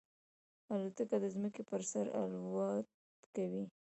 الوتکه د ځمکې پر سر الوت کوي.